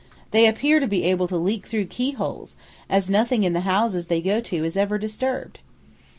They appear to be able to leak through keyholes, as nothing in the houses they go to is ever disturbed."